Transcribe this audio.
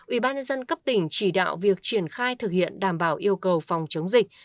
ubnd cấp tỉnh chỉ đạo việc triển khai thực hiện đảm bảo yêu cầu phòng chống dịch